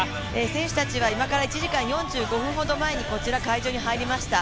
選手たちは今から１時間４５分ほど前に、こちら、会場に入りました。